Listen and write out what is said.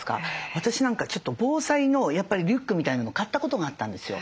私なんかちょっと防災のリュックみたいのも買ったことがあったんですよ。